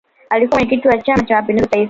alikuwa mwenyekiti chama cha mapinduzi taifa